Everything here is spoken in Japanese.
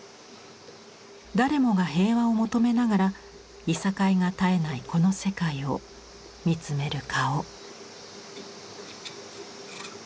誰もが平和を求めながらいさかいが絶えないこの世界を見つめる顔。